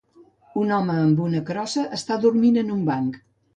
Un home amb una crossa està dormint en un banc.